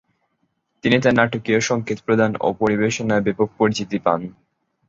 তিনি তার নাটকীয় সঙ্কেত প্রদান ও পরিবেশনায় ব্যাপক পরিচিতি পান।